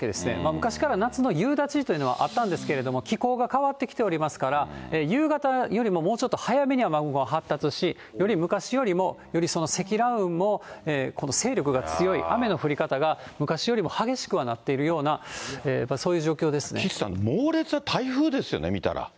昔から夏の夕立というのはあったんですけれども、気候が変わってきておりますから、夕方よりももうちょっと早めに雨雲が発達し、より昔よりもより積乱雲も勢力が強い、雨の降り方が昔よりも激しくはなっているような、岸さん、猛烈な台風ですよね、見たら。